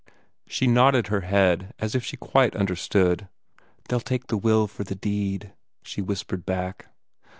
She nodded her head as if she quite understood. "They'll take the will for the deed," she whispered back.